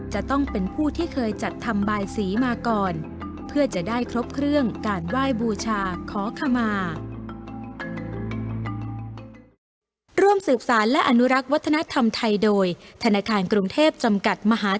จะต้องเป็นผู้ที่เคยจัดทำบายสีมาก่อนเพื่อจะได้ครบเครื่องการไหว้บูชาขอขมา